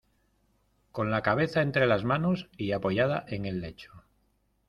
Con la cabeza entre las manos y apoyada en el lecho.